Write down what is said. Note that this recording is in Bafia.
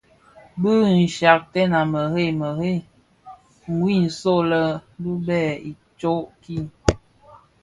Bi nshyakten a bërëg bërëg wui nso lè bi bèň i tsoň tii.